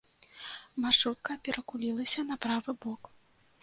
Маршрутка перакулілася на правы бок.